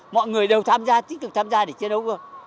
mọi người đều tham gia tích cực tham gia để chiến đấu cơ